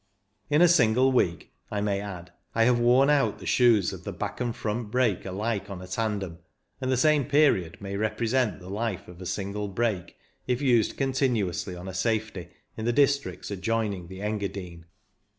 In a single week, I may add, I have worn out the shoes of the back and front brake alike on a tandem, and the same period might represent the life of a single brake if used continuously on a safety in the districts adjoining the Engadine.